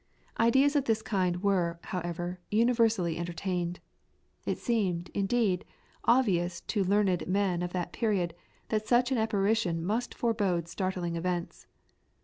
Ideas of this kind were, however, universally entertained. It seemed, indeed, obvious to learned men of that period that such an apparition must forebode startling events.